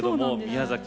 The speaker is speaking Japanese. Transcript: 宮崎